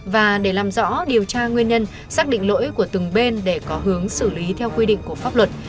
và để làm rõ điều tra nguyên nhân xác định lỗi của từng bên để có hướng xử lý theo quy định của pháp luật